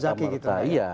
tidak serta merta iya